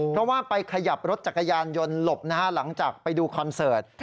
เพราะว่าไปขยับรถจักรยานยนต์หลบนะฮะหลังจากไปดูคอนเสิร์ต